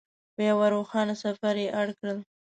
په یوه روښانه سفر یې اړ کړل.